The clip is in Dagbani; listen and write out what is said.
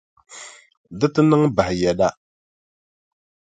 Di ti niŋ bahi yɛda.